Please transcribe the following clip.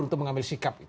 untuk mengambil sikap